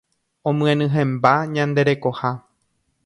Omyenyhẽmba ñande rekoha